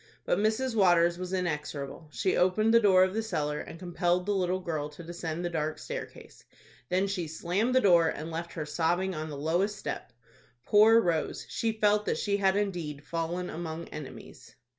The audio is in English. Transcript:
But Mrs. Waters was inexorable. She opened the door of the cellar, and compelled the little girl to descend the dark staircase. Then she slammed the door, and left her sobbing on the lowest step. Poor Rose! She felt that she had indeed fallen among enemies.